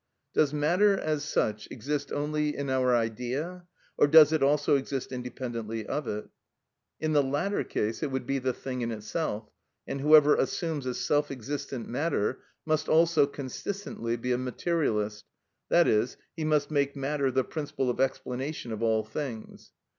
Does matter, as such, exist only in our idea, or does it also exist independently of it? In the latter case it would be the thing in itself; and whoever assumes a self existent matter must also, consistently, be a materialist, i.e., he must make matter the principle of explanation of all things.